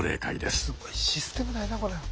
すごいシステムだよなこれ。